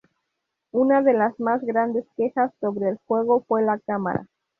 Una de las más grandes quejas sobre el juego fue la cámara.